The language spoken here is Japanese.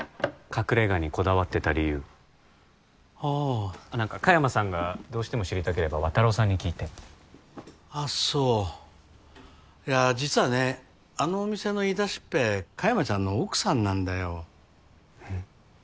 隠れ家にこだわってた理由ああ何か香山さんがどうしても知りたければ綿郎さんに聞いてってあっそういやー実はねあのお店の言いだしっぺ香山ちゃんの奥さんなんだようん？